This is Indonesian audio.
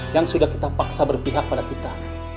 yang sudah kita paksa berpihak pada kita